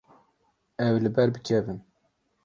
Ew ê li ber bikevin.